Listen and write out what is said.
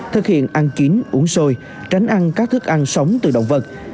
thực hiện ăn chín uống sôi tránh ăn các thức ăn sống từ động vật